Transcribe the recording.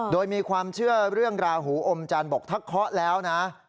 โดยมีความเชื่อเรื่องราหูอมจันทร์บอกถ้าเคาะแล้วนะ